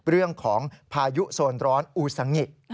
เรื่องของพายุโซนร้อนอูซังงิ